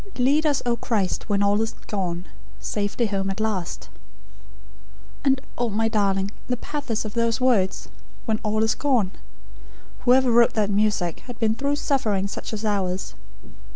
"'Lead us, O Christ, when all is gone, Safe home at last.'" "And oh, my darling, the pathos of those words, 'when all is gone'! Whoever wrote that music, had been through suffering such as ours.